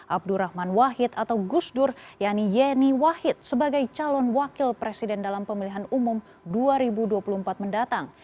abdurrahman wahid atau gusdur yani yeni wahid sebagai calon wakil presiden dalam pemilihan umum dua ribu dua puluh empat mendatang